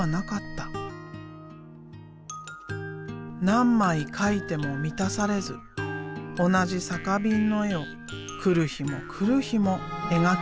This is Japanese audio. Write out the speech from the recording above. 何枚描いても満たされず同じ酒瓶の絵を来る日も来る日も描き続けた。